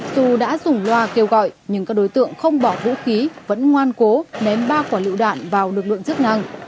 dù đã dùng loa kêu gọi nhưng các đối tượng không bỏ vũ khí vẫn ngoan cố ném ba quả lựu đạn vào lực lượng chức năng